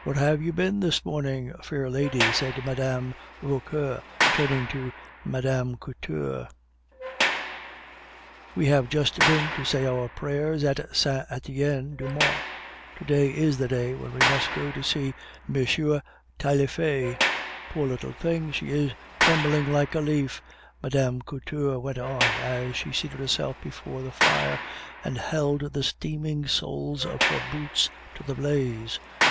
"Where have you been this morning, fair lady?" said Mme. Vauquer, turning to Mme. Couture. "We have just been to say our prayers at Saint Etienne du Mont. To day is the day when we must go to see M. Taillefer. Poor little thing! She is trembling like a leaf," Mme. Couture went on, as she seated herself before the fire and held the steaming soles of her boots to the blaze.